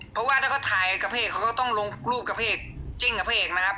เพราะว่าถ้าเขาถ่ายกระเพกเขาก็ต้องลงรูปกับเพจจิ้งกับพระเอกนะครับ